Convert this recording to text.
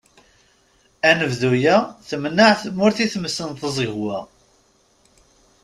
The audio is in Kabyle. Anebdu-a, temneε tmurt i tmes n tẓegwa.